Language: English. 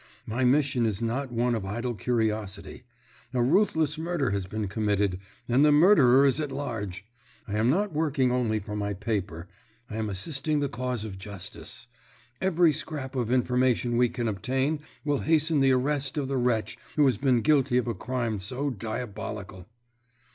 My mission is not one of idle curiosity. A ruthless murder has been committed, and the murderer is at large. I am not working only for my paper; I am assisting the cause of justice. Every scrap of information we can obtain will hasten the arrest of the wretch who has been guilty of a crime so diabolical."